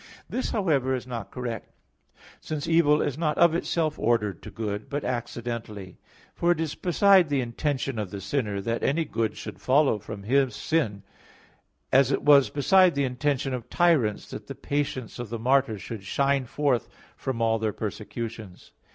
This, however, is not correct; since evil is not of itself ordered to good, but accidentally. For it is beside the intention of the sinner, that any good should follow from his sin; as it was beside the intention of tyrants that the patience of the martyrs should shine forth from all their persecutions.